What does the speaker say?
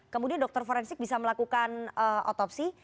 kemudian dokter forensik bisa melakukan otopsi